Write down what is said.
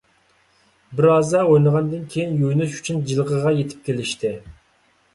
بىرھازا ئوينىغاندىن كېيىن، يۇيۇنۇش ئۈچۈن جىلغىغا يېتىپ كېلىشتى.